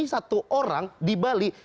satu orang di bali